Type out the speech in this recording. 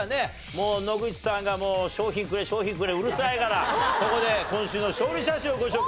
もう野口さんが賞品くれ賞品くれうるさいからここで今週の勝利者賞をご紹介しましょう。